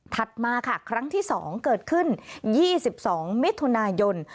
มาค่ะครั้งที่๒เกิดขึ้น๒๒มิถุนายน